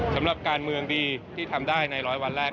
สำหรับการเมืองดีที่ทำได้ในร้อยวันแรก